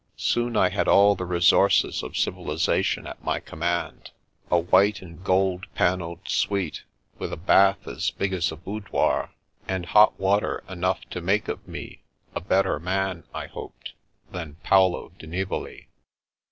Soon I had all the resources of civilisation at my command : a white and gold panelled suite, with a bath as big as a boudoir, and hot water enough to make of me a better man (I hoped) than Paolo di Nivoli.